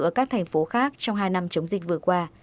ở các thành phố khác trong hai năm chống dịch vừa qua